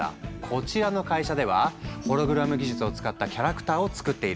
こちらの会社ではホログラム技術を使ったキャラクターを作っているんだ。